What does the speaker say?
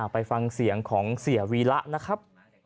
ไปฟังเสียงของเสียวีระนะครับ